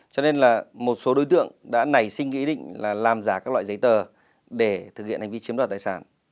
cho nên là một số đối tượng đã nảy sinh ý định là làm giả các loại giấy tờ để thực hiện hành vi chiếm đoạt tài sản